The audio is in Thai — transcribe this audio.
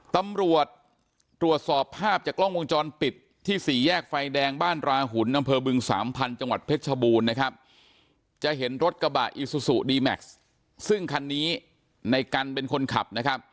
ตำรวจตรวจสอบภาพจากกล้องวงจรปิดที่๔แยกไฟแดงบ้านราหุ่นนำเผอบึง๓พันธุ์จังหวัดเพชรบูรณ์นะครับ